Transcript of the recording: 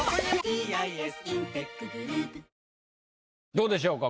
どうでしょうか？